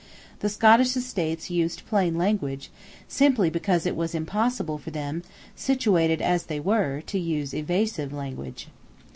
The Scottish Estates used plain language, simply because it was impossible for them, situated as they were, to use evasive language.